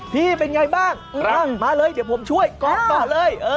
พี่เป็นไงบ้างมาเลยเดี๋ยวผมช่วยก๊อฟก่อนเลย